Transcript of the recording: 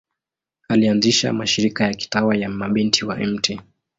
Alianzisha mashirika ya kitawa ya Mabinti wa Mt.